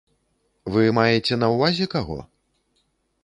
Вы маеце на ўвазе каго?